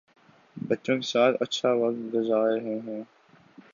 بچوں کے ساتھ اچھا وقت گذار رہے ہیں